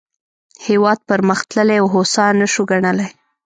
هېواد پرمختللی او هوسا نه شو ګڼلای.